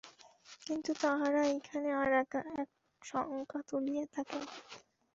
কিন্তু তাঁহারা এইখানে আর এক শঙ্কা তুলিয়া থাকেন।